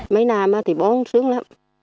mấy năm thì bóng sướng lắm